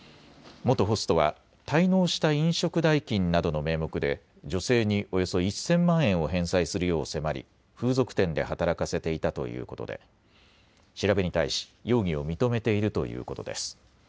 元ホストは滞納した飲食代金などの名目で女性におよそ１０００万円を返済するよう迫り風俗店で働かせていたということで調べに対し容疑を認めているということです。